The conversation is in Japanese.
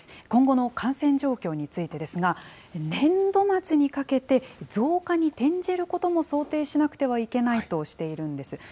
今後の感染状況についてですが、年度末にかけて、増加に転じることも想定しなくてはいけないとしているんです。